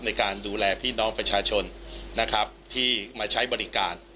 ในการดูแลพี่น้องประชาชนนะครับที่มาใช้บริการ